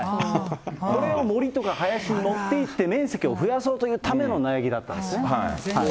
これを森とか林に持っていって、面積を増やそうというための苗木だったんですね。